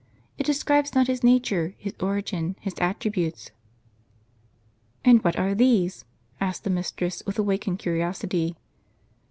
It describes not His nature. His origin, His attributes." "And what are these?" asked the mistress, with awak ened curiosity.